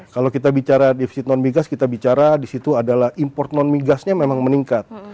kalau kita bicara defisit non migas kita bicara di situ adalah import non migasnya memang meningkat